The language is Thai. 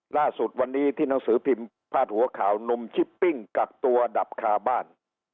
ล่าสุดวันนี้ที่หนังสือพิมพ์พาดหัวข่าวหนุ่มชิปปิ้งกักตัวดับคาบ้าน